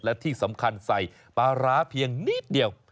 และที่สำคัญใส่ปลาร้าเพียงนิดเดียว